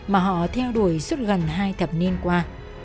mà họ theo đuổi suốt gần hai thập niên qua